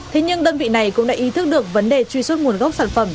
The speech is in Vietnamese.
thế nhưng đơn vị này cũng đã ý thức được vấn đề truy xuất nguồn gốc sản phẩm